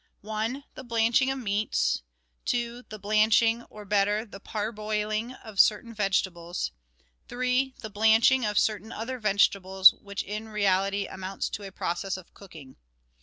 1. The blanching of meats. 2. The blanching, or, better, the parboiling of certain vegetables. 3. The blanching of certain other vegetables, which in reality amounts to a process of cooking.